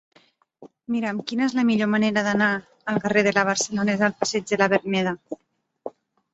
Mira'm quina és la millor manera d'anar del carrer de La Barcelonesa al passeig de la Verneda.